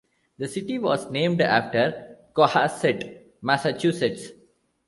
The city was named after Cohasset, Massachusetts.